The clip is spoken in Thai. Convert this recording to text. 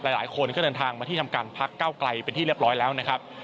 หลายคนก็เดินทางมาที่ทำการพักเก้าไกลเป็นที่เรียบร้อยแล้วนะครับ